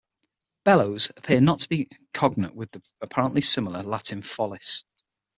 'Bellows' appears not to be cognate with the apparently similar Latin "follis".